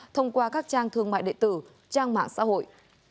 thông qua các trang thương mại đệ tử trang mạng xã hội